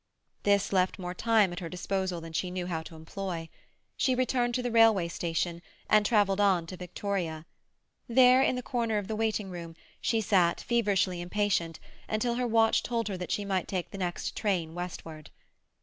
This left more time at her disposal than she knew how to employ. She returned to the railway station, and travelled on to Victoria; there, in the corner of a waiting room, she sat, feverishly impatient, until her watch told her that she might take the next train westward.